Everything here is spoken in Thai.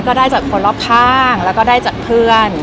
ได้จากคนรอบข้างแล้วก็ได้จากเพื่อน